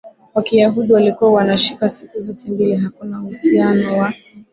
wa Kiyahudi walikuwa wanashika siku zote mbili Hakuna uhusiano wa